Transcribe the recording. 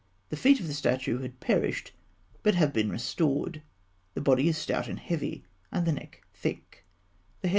The feet of the statue had perished, but have been restored. The body is stout and heavy, and the neck thick. The head (fig.